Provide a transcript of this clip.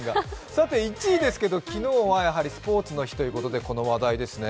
さて１位ですが昨日はスポーツの日ということで、この話題ですね。